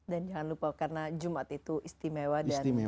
dan jangan lupa karena jumat itu istimewa